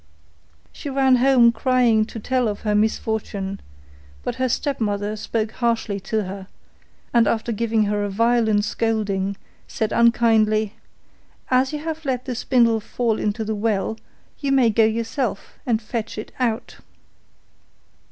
She ran home crying to tell of her misfortune, but her stepmother spoke harshly to her, and after giving her a violent scolding, said unkindly, 'As you have let the spindle fall into the well you may go yourself and fetch it out.